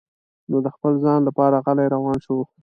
نو د خپل ځان لپاره غلی روان شو.